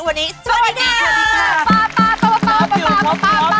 วันนี้สวัสดีค่ะ